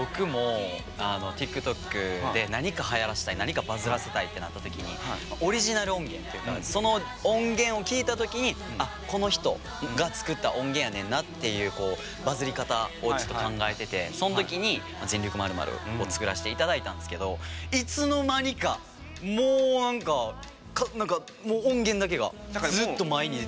僕もＴｉｋＴｏｋで何かはやらせたい何かバズらせたいってなった時にオリジナル音源というかその音源を聴いた時に「あっこの人が作った音源やねんな」っていうこうバズり方をちょっと考えててその時に「全力○○」を作らせて頂いたんですけどいつの間にかもう何か音源だけがずっと前に出て。